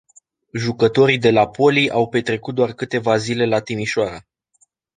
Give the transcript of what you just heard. Jucătorii de la Polii au petrecut doar câteva zile la Timișoara.